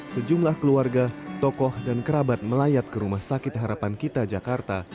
sejumlah keluarga tokoh dan kerabat melayat ke rumah sakit harapan kita jakarta